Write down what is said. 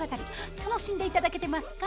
楽しんで頂けてますか？